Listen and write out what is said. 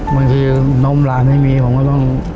บางทีนมหลานไม่มีผมก็ต้อง